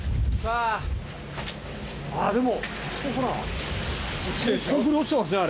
ああでも。